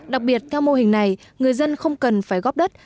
đặc biệt theo mô hình này người dân không cần phải góp đất